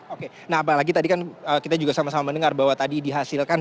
oke nah apalagi tadi kan kita juga sama sama mendengar bahwa tadi dihasilkan